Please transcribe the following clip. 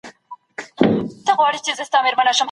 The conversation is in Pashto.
د ټولنپوهۍ علم د تاریخي تجربو پر اساس وده کړې ده.